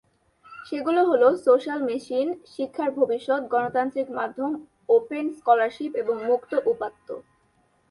সেগুলো হলো: social machine, শিক্ষার ভবিষ্যৎ, গণতান্ত্রিক মাধ্যম, ওপেন স্কলারশিপ এবং মুক্ত উপাত্ত।